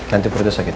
nanti purda sakit